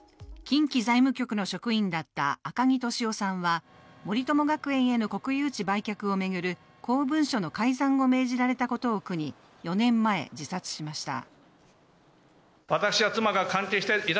近畿財務局の職員だった赤木俊夫さんは、森友学園への国有地売却を巡る公文書の改ざんを命じられたことを苦に４年前、自殺しました。